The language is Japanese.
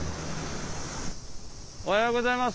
おはようございます。